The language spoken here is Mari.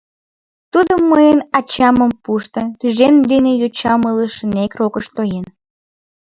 Тудо мыйын ачамым пуштын, тӱжем дене йочам илышынек рокыш тоен!».